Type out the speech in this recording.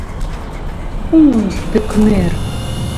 У-у, пӧкмӧр!